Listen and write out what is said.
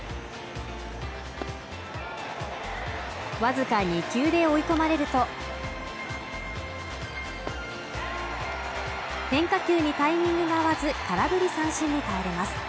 わずかに２球で追い込まれると、変化球にタイミングが合わず空振り三振に倒れます。